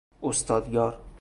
استادیار